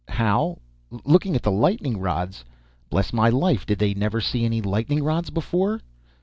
How? 'looking at the lightning rods!' Bless my life, did they never see any lightning rods before?